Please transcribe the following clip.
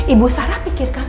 ibu sarah pikirkan